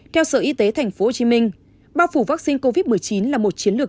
theo sở y tế tp hcm bao phủ vaccine covid một mươi chín là một chiến lược